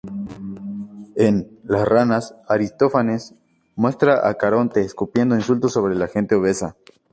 En "Las ranas", Aristófanes muestra a Caronte escupiendo insultos sobre la gente obesa.